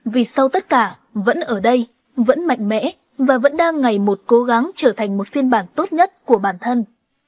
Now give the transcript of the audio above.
vì sau tất cả vẫn ở đây vẫn mạnh mẽ và vẫn đang ngày một cố gắng trở thành một phiên bản tốt nhất của bản thân